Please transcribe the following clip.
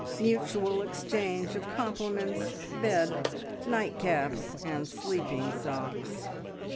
Mutual exchange of compliments, bed, nightcaps, and sleeping socks.